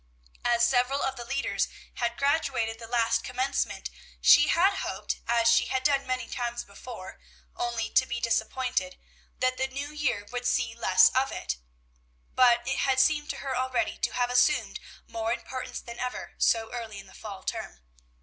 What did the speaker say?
As several of the leaders had graduated the last Commencement, she had hoped, as she had done many times before, only to be disappointed, that the new year would see less of it; but it had seemed to her already to have assumed more importance than ever, so early in the fall term.